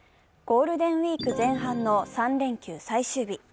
ゴールデンウイーク前半の３連休最終日。